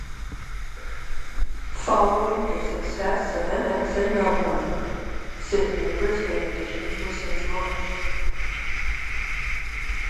Following the success of "mX" in Melbourne, Sydney and Brisbane editions were since launched.